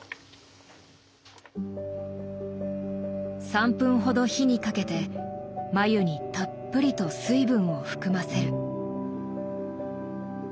３分ほど火にかけて繭にたっぷりと水分を含ませる。